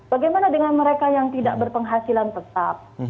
bagaimana dengan mereka yang tidak berpenghasilan tetap